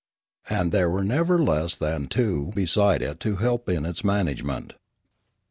And there were never less than two beside it to help in its management.